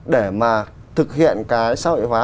để mà thực hiện cái xã hội hóa